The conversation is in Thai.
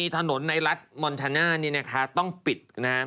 ทะนดในรัฐมอนทันาต้องปิด